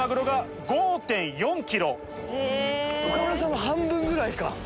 岡村さんの半分ぐらいか。